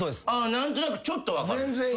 何となくちょっと分かる。